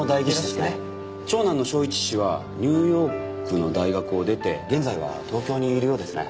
長男の章一氏はニューヨークの大学を出て現在は東京にいるようですね。